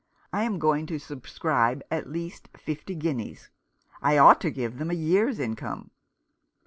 I am going to subscribe at least fifty guineas. I ought to give them a year's income."